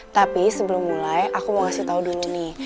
tapi sebelum mulai aku mau kasih tau dulu nih